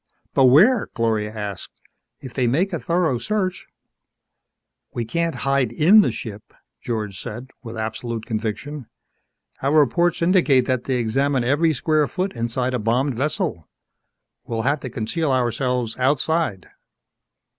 "But where?" Gloria asked. "If they make a thorough search " "We can't hide in the ship," George said, with absolute conviction. "Our reports indicate that they examine every square foot inside a bombed vessel. We'll have to conceal ourselves outside."